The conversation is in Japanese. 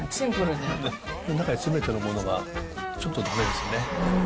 すべてのものが、ちょっとだめですね。